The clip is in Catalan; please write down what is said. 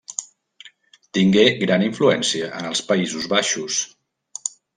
Tingué gran influència en els Països Baixos.